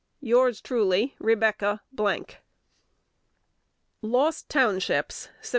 Yours, truly, Rebecca . Lost Townships, Sept.